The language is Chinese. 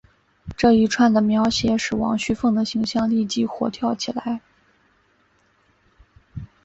这一串的描写使王熙凤的形象立即活跳出来。